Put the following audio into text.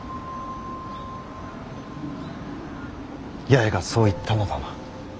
八重がそう言ったのだな。